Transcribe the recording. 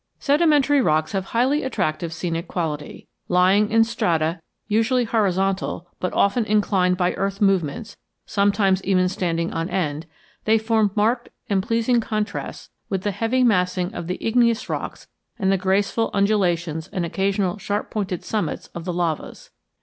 Sedimentary rocks have highly attractive scenic quality. Lying in strata usually horizontal but often inclined by earth movements, sometimes even standing on end, they form marked and pleasing contrasts with the heavy massing of the igneous rocks and the graceful undulations and occasional sharp pointed summits of the lavas.